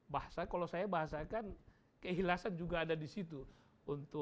bahasa kalau saya bahasakan keikhlasan juga ada di situ